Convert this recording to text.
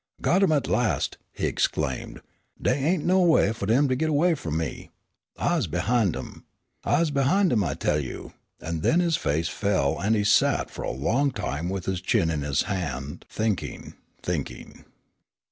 "Got 'em at last!" he exclaimed. "Dey ain't no way fu' dem to git away f'om me. I's behind 'em. I's behind 'em I tell you," and then his face fell and he sat for a long time with his chin in his hand thinking, thinking.